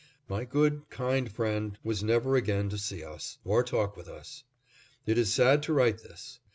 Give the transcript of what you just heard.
My good, kind friend was never again to see us, or talk with us. It is sad to write this.